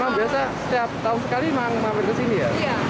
emang biasa setiap tahun sekali mau sampai ke sini ya